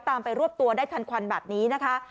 ไปรวบตัวได้ทันควันแบบนี้นะคะ